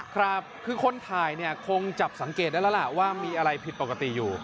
คือคนไทยคงจับสังเกตได้แล้วว่ามีอะไรผิดปกติอยู่